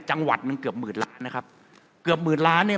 จังหวัดหนึ่งเกือบหมื่นล้านนะครับเกือบหมื่นล้านเนี่ย